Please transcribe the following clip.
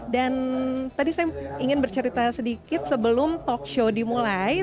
dan tadi saya ingin bercerita sedikit sebelum talkshow dimulai